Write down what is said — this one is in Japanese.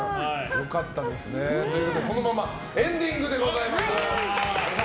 良かったですね。ということでこのままエンディングでございます。